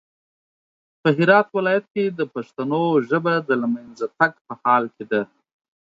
په هرات ولايت کې د پښتنو ژبه د لمېنځه تګ په حال کې ده